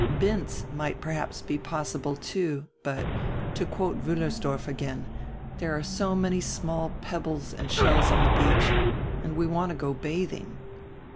Binz might perhaps be possible, too, but, to quote Wiillersdorf again, there are so many small pebbles and shells on the beach, and we want to go bathing."